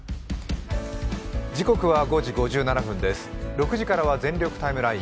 ６時からは「全力タイムライン」。